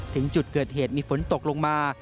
ถึงจุดเกิดเหตุมีฝนตกลงมา